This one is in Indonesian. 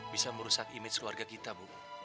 bisa merusak image keluarga kita bu